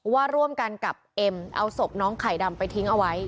ว่าร่วมกันกับเอ็มเอาศพน้องไข่ดำไปทิ้งเอาไว้